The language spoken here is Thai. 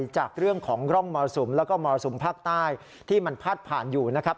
จากเรื่องของร่องมรสุมแล้วก็มรสุมภาคใต้ที่มันพาดผ่านอยู่นะครับ